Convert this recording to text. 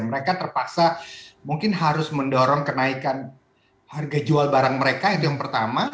mereka terpaksa mungkin harus mendorong kenaikan harga jual barang mereka itu yang pertama